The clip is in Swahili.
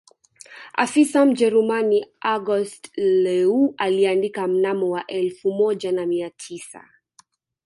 Afisa Mjerumani August Leue aliandika mnamo wa elfu moja na mia tisa